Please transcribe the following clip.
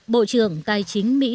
bộ trưởng tài chính mỹ